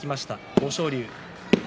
豊昇龍。